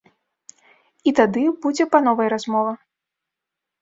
І тады будзе па новай размова.